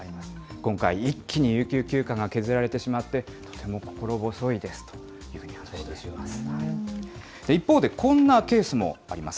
今回、一気に有給休暇が削られてしまって、とても心細いですというふうに話しています。